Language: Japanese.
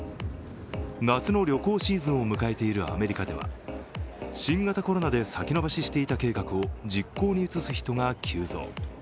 夏の旅行シーズンを迎えているアメリカでは新型コロナで先延ばししていた計画を実行に移す人が急増。